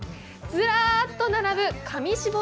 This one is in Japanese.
ずらーっと並ぶ裃雛。